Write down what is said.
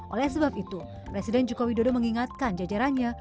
oleh sebab itu presiden joko widodo mengingatkan jajarannya